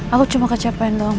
aku cuma kecapean doang